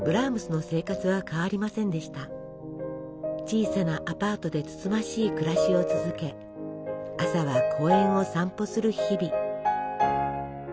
小さなアパートでつつましい暮らしを続け朝は公園を散歩する日々。